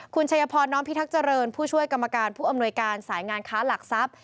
คุณชัยพรน้อมพิทักษ์เจริญผู้ช่วยกรรมการผู้อำนวยการสายงานค้าหลักทรัพย์